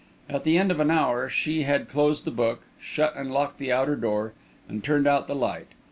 At the end of an hour, she had closed the book, shut and locked the outer door, and turned out the light.